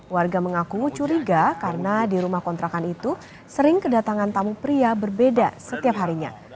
warga mengaku curiga karena di rumah kontrakan itu sering kedatangan tamu pria berbeda setiap harinya